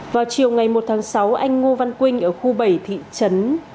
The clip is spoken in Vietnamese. vào chiều ngày một tháng sáu anh ngô văn quynh ở khu bảy thị trấn